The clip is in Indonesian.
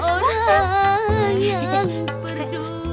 orang yang berdua